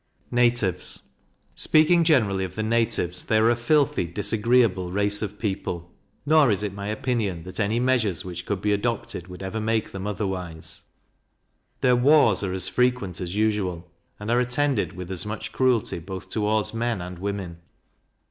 Natives. Speaking generally of the natives, they are a filthy, disagreeable race of people; nor is it my opinion that any measures which could be adopted would ever make them otherwise. Their wars are as frequent as usual, and are attended with as much cruelty both towards men and women.